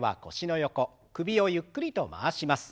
首をゆっくりと回します。